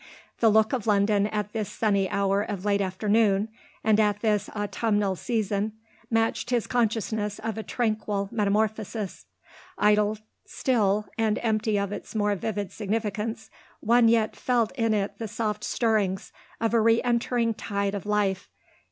The look of London at this sunny hour of late afternoon and at this autumnal season matched his consciousness of a tranquil metamorphosis. Idle still and empty of its more vivid significance, one yet felt in it the soft stirrings of a re entering tide of life.